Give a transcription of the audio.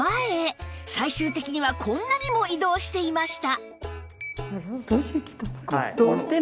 最終的にはこんなにも移動していました